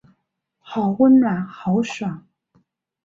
好温暖好爽